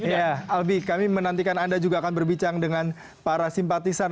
ya albi kami menantikan anda juga akan berbicara dengan para simpatisan